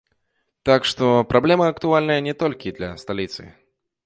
Так што, праблема актуальная не толькі для сталіцы.